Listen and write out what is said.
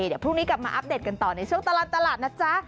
เดี๋ยวพรุ่งนี้กลับมาอัปเดตกันต่อในช่วงตลอดตลาดนะจ๊ะ